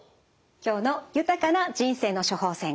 今日の「豊かな人生の処方せん」